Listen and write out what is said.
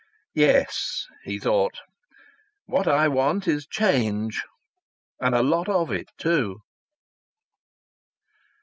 "Yes," he thought, "what I want is change and a lot of it, too!"